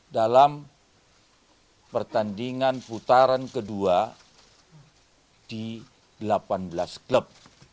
dalam pertandingan putaran kedua di delapan belas klub